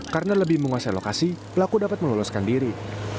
karena lebih menguasai lokasi pelaku dapat meloloskan diri